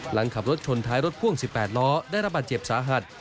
หลังขับรถชนท้ายรถพ่วง๑๘ล้อได้รับบาดเจ็บสาหัส